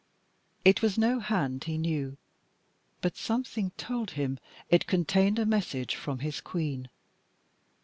It was no hand he knew but something told him it contained a message from his Queen.